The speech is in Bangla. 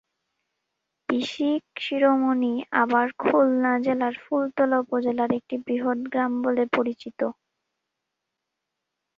বিসিক শিরোমণি আবার খুলনা জেলার ফুলতলা উপজেলার একটি বৃহৎ গ্রাম বলে পরিচিত।